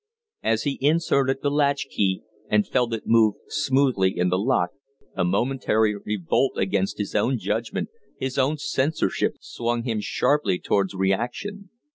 As he inserted the latch key and felt it move smoothly in the lock, a momentary revolt against his own judgment, his own censorship swung him sharply towards reaction.